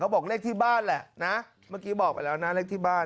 บอกเลขที่บ้านแหละนะเมื่อกี้บอกไปแล้วนะเลขที่บ้าน